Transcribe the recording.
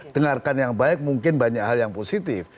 dengarkan yang baik mungkin banyak hal yang positif